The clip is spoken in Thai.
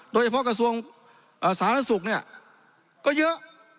โดยเฉพาะกระทรวงสารสุขเนี่ยก็เยอะ